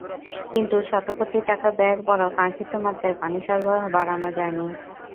কিন্তু শতকোটি টাকা ব্যয়ের পরও কাঙ্ক্ষিত মাত্রায় পানি সরবরাহ বাড়ানো যায়নি।